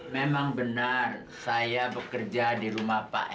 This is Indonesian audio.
sampai jumpa di video selanjutnya